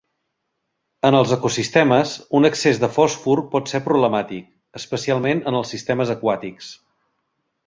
En els ecosistemes, un excés de fòsfor pot ser problemàtic, especialment en els sistemes aquàtics.